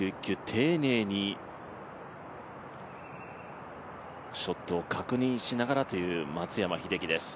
丁寧にショットを確認しながらという松山英樹です。